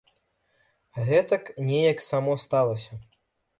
Гэтак неяк само сталася.